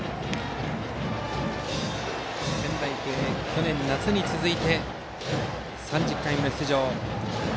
仙台育英は去年夏に続いて３０回目の出場。